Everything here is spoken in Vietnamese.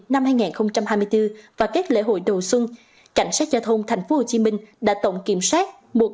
năm hai nghìn hai mươi bốn và các lễ hội đầu xuân cảnh sát giao thông tp hcm đã tổng kiểm soát